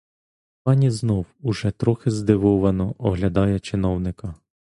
Пані знов, уже трохи здивовано, оглядає чиновника.